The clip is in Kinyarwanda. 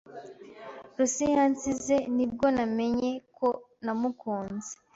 Lucy yansize ni bwo namenye ko namukunze.